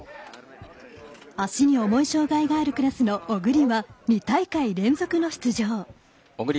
足に重い障がいがあるクラスの小栗は２大会連続の出場。